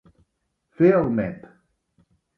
Fer el met.